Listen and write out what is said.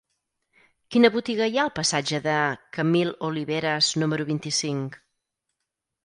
Quina botiga hi ha al passatge de Camil Oliveras número vint-i-cinc?